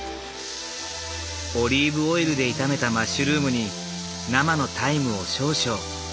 オリーブオイルで炒めたマッシュルームに生のタイムを少々。